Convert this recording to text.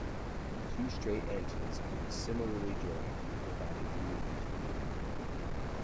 Two straight engines can be similarly joined to provide a U engine.